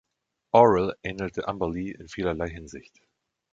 Auril ähnelt Umberlee in vielerlei Hinsicht.